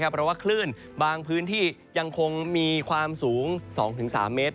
เพราะว่าคลื่นบางพื้นที่ยังคงมีความสูง๒๓เมตร